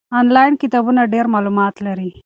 آنلاین کتابتونونه ډېر معلومات لري.